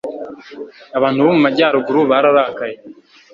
abantu bo mu majyaruguru bararakaye